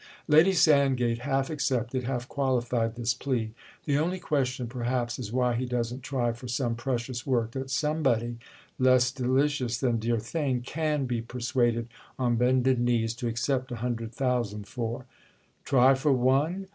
Lady Sandgate half accepted, half qualified this plea. "The only question perhaps is why he doesn't try for some precious work that somebody—less delicious than dear Theign—can be persuaded on bended knees to accept a hundred thousand for." "'Try' for one?"